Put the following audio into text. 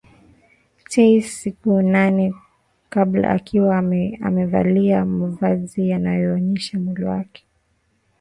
Tayc siku nane kabla akiwa amevalia mavazi yanayoonyesha mwili wake